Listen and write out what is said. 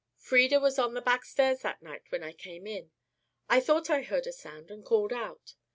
Frieda was on the backstairs that night when I came in. I thought I heard a sound and called out.